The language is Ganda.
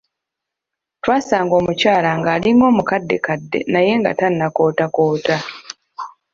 Twasanga omukyala ng’alinga omukaddekadde naye nga tannakoootakoota.